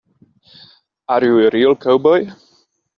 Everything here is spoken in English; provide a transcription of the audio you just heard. Are you a real cowboy?